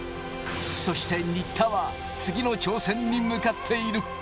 そして、新田は次の挑戦に向かっている。